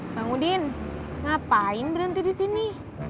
bang udin ngapain berhenti disini